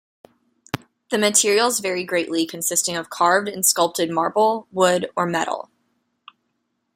The materials vary greatly consisting of carved and sculpted marble, wood, or metal.